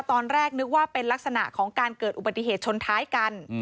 ตอนแรกนึกว่าเป็นลักษณะของการเกิดอุบัติเหตุชนท้ายกัน